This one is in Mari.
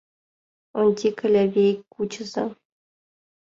Онтика, Лявей, кучыза!